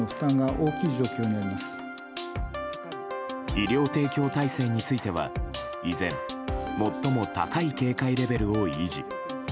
医療提供体制については依然、最も高い警戒レベルを維持。